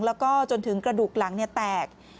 แล้วก็จนถึงกระดูกหลังแตก